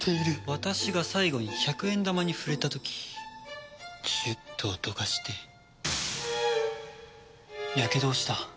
私が最後に１００円玉に触れた時ジュッと音がしてやけどをした。